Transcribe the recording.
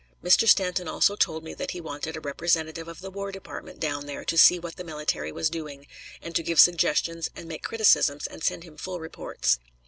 Mr. Stanton also told me that he wanted a representative of the War Department down there to see what the military was doing, and to give suggestions and make criticisms and send him full reports.